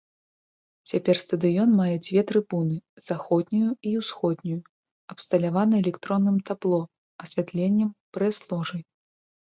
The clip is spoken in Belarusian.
Цяпер стадыён мае дзве трыбуны, заходнюю і ўсходнюю, абсталяваны электронным табло, асвятленнем, прэс-ложай.